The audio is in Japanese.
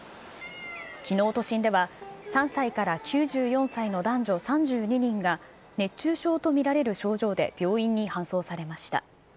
きのう都心では、３歳から９４歳の男女３２人が熱中症と見られる症状で病院に搬送されました。